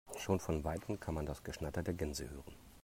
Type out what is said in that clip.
Schon von weitem kann man das Geschnatter der Gänse hören.